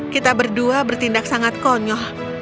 kita berdua bertindak sangat konyol